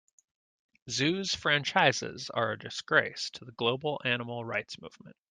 Zoos franchises are a disgrace to the global animal rights movement.